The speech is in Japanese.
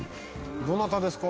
どなたですか？